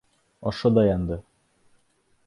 Ошо Даянды...